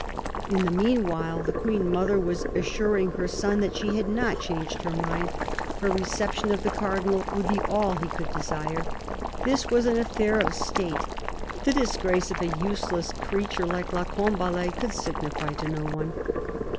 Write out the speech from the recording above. In the meanwhile the Queen mother was assuring her son that she had not changed her mind : her reception of the Cardinal would be all he could desire. This was an affair of State ; the disgrace of a useless creature like la Combalet could signify to no one.